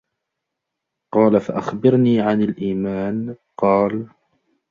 قالَ: فَأَخْبِرْنِي عَنِ الإيمانِ. قالَ: